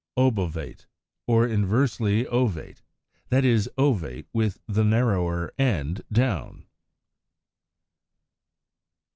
Obovate (Fig. 123) or inversely ovate, that is, ovate with the narrower end down.